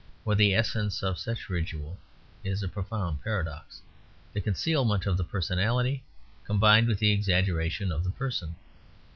For the essence of such ritual is a profound paradox: the concealment of the personality combined with the exaggeration of the person.